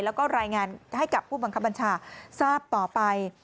แล้วก็รายงานให้กับผู้บังคับบัญชาทราบต่อไป